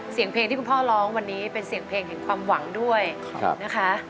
เสียงเพลงที่คุณพ่อร้องวันนี้เป็นเสียงเพลงแห่งความหวังด้วยนะคะ